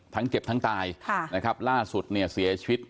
ทั้งเจ็บทั้งตายล่าสุดเสียชีวิต